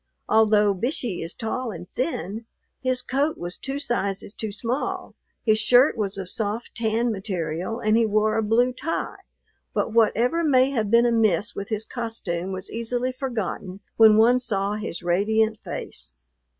Although Bishey is tall and thin, his coat was two sizes too small, his shirt was of soft tan material, and he wore a blue tie. But whatever may have been amiss with his costume was easily forgotten when one saw his radiant face.